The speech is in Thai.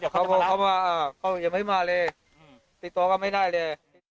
เขาบอกเขาออกมาแล้วไม่ให้มาเลยติดต่อก็ไม่ได้สิ